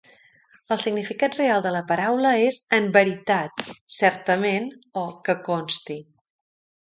El significat real de la paraula és 'en veritat', 'certament' o 'que consti'.